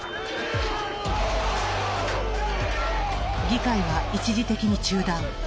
議会は一時的に中断。